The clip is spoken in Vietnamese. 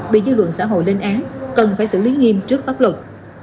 bị dư luận xã hội lên án cần phải xử lý nghiêm trước pháp luật